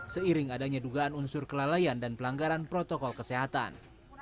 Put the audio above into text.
seiring adanya dugaan unsur kelalaian dan pelanggaran protokol kesehatan